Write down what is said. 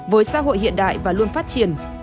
với xã hội hiện đại và luôn phát triển